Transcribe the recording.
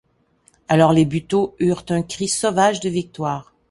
Alors, les Buteau eurent un cri sauvage de victoire.